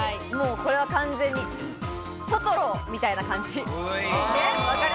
これは完全にトトロみたいな感じ。